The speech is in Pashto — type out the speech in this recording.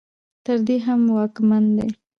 تر دې هم ځواکمن دي.